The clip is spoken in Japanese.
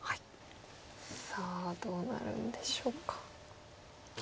さあどうなるんでしょうか。